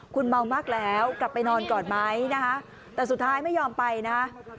คุณเมามากแล้วกลับไปนอนก่อนไหมนะคะแต่สุดท้ายไม่ยอมไปนะฮะ